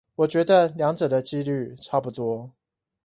我覺得兩者的機率差不多